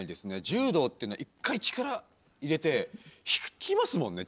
柔道ってのは一回力入れて引きますもんね